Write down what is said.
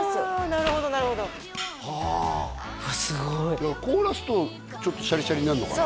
なるほどなるほどああすごい凍らすとシャリシャリになるのかな？